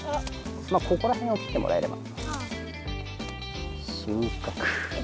まあここらへんを切ってもらえれば。